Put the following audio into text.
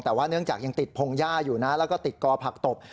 แต่ว่าเนื่องจากยังติดพงหญ้าอยู่นะแล้วก็ติดกอผักตบ